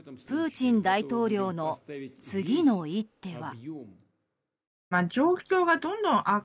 プーチン大統領の次の一手は。